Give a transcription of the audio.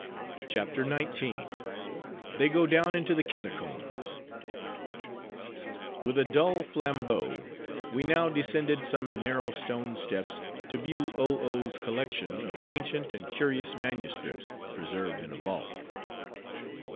CHAPTER XIX. They Go Down Into The Catacombs With a dull flambeau, we now descended some narrow stone steps, to view Oh Oh's collection of ancient and curious manuscripts, preserved in a vault.